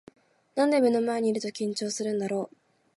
なんで目の前にいると緊張するんだろう